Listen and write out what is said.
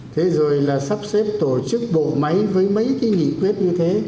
thế rồi là sắp xếp tổ chức bộ máy với mấy cái nghị quyết như thế